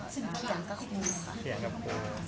ถึงเขียนกับครูค่ะ